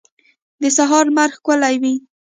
د سهار لمر ښکلی وي.